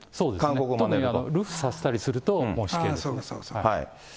特に流布させたりすると、もう死刑ですね。